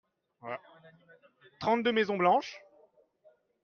trente deux maisons blanches.